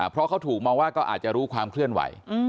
เพราะเขาถูกมองว่าก็อาจจะรู้ความเคลื่อนไหว